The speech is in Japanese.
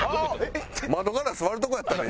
窓ガラス割るとこやったな今。